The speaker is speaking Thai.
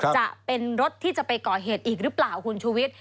จะเป็นรถที่จะไปก่อเหตุอีกหรือเปล่าคุณชูวิทย์